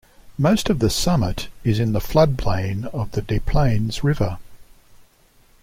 Most of "Summit" is in the floodplain of the Des Plaines River.